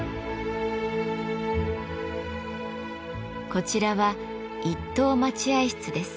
こちらは一等待合室です。